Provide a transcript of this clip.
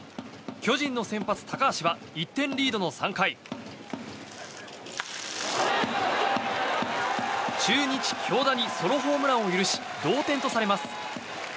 巨人の先発、高橋は１点リードの３回中日、京田にソロホームランを許し同点とされます。